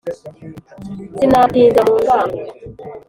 sinawutinza mu ngango